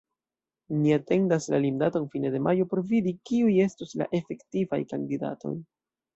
Ni atendas la limdaton fine de majo por vidi, kiuj estos la efektivaj kandidatoj.